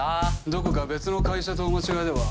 どこか別の会社とお間違えでは？